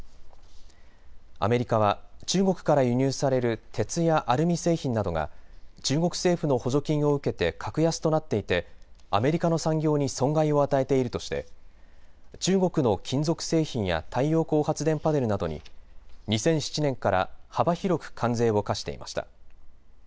アメリカは中国から輸入される鉄やアルミ製品などが中国政府の補助金を受けて格安となっていてアメリカの産業に損害を与えているとして中国の金属製品や太陽光発電パネルなどに２００７年から幅広く関税を課していました。